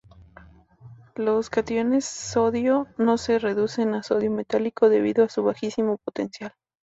Los cationes sodio no se reducen a sodio metálico, debido a su bajísimo potencial.